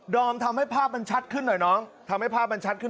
อมทำให้ภาพมันชัดขึ้นหน่อยน้องทำให้ภาพมันชัดขึ้น